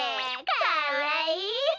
かわいい！